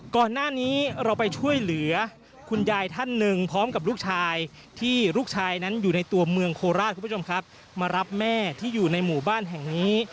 ก่อนหน้านี้เราไปช่วยเหลือคุณยายท่านหนึ่งพร้อมกับลูกชายที่ลูกชายนั้นอยู่ในตัวเมืองโคราชคุณผู้ชมครับมารับแม่ที่อยู่ในหมู่บ้านแห่งนี้